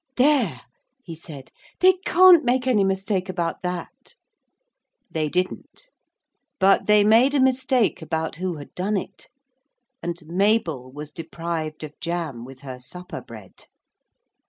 'There!' he said; 'they can't make any mistake about that.' They didn't. But they made a mistake about who had done it, and Mabel was deprived of jam with her supper bread.